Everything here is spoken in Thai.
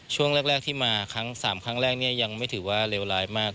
ช่วงแรกที่มาครั้ง๓ครั้งแรกเนี่ยยังไม่ถือว่าเลวร้ายมาก